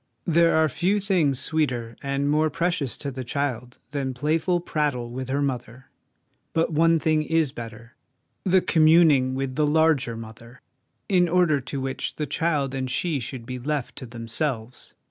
There are few things sweeter and more precious to the child than playful prattle with her mother ; but one thing is better the communing with the larger Mother, in order to which the child and she should be left to themselves.